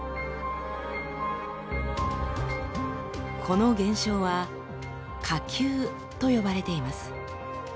この現象は「火球」と呼ばれています。